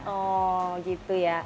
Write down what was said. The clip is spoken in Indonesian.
oh gitu ya